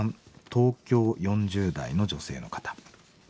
東京４０代の女性の方。